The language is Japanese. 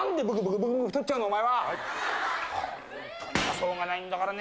ホントにしょうがないんだからね。